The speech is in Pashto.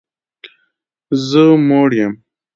زه موړ یم